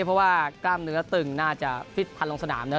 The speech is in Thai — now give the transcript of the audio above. เพราะว่ากล้ามเนื้อตึงน่าจะฟิตพันธุลงสนามนะ